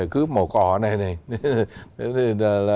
cứ màu cỏ này này